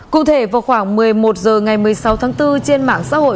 cụ thể vào khoảng một mươi một h ngày một mươi sáu tháng bốn trên mạng xã hội